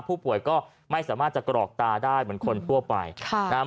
ผู้ป่วยก็ไม่สามารถจะกรอกตาได้เหมือนคนทั่วไปค่ะนะฮะ